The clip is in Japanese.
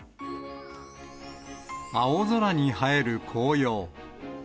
青空に映える紅葉。